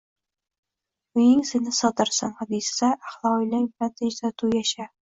“Uying seni sig‘dirsin” hadisida ahli oilang bilan tinch-totuv yasha